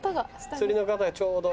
釣りの方がちょうど。